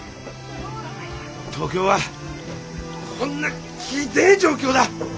東京はほんなひでえ状況だ。